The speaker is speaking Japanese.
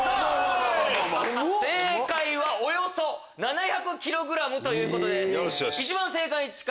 正解はおよそ７００ｋｇということで。